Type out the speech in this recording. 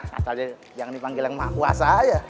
katanya jangan dipanggil yang makuasa aja